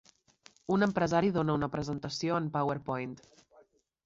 Un empresari dona una presentació en powerpoint.